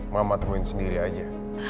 mama temuin sendiri aja